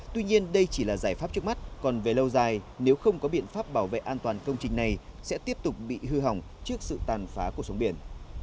tuy nhiên đây chỉ là giải pháp trước mắt còn về lâu dài nếu không có biện pháp bảo vệ an toàn công trình này sẽ tiếp tục bị hư hỏng trước sự tàn phá của sóng biển